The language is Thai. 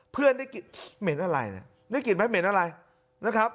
เพื่อนได้กลิ่นเหม็นอะไรเนี่ยได้กลิ่นไหมเหม็นอะไรนะครับ